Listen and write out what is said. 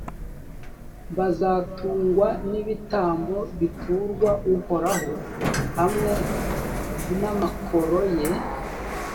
bazatungwa n’ibitambo biturwa uhoraho hamwe n’amakoro ye.